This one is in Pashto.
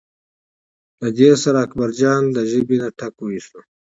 له دې سره اکبرجان له ژبې نه ټک وویست.